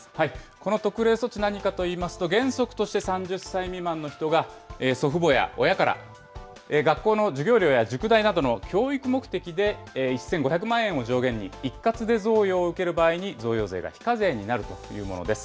この特例措置、何かといいますと、原則として３０歳未満の人が祖父母や親から、学校の授業料や塾代などの教育目的で１５００万円を上限に、一括で贈与を受ける場合に、贈与税が非課税になるというものです。